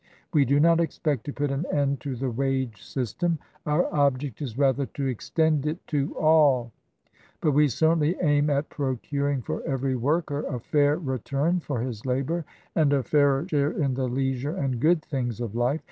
We do not expect to put an end to the wage system : our object is rather to extend it to all. But we certainly aim at procuring for every worker a fair return for his labour and a fairer share in the leisure and good things of life.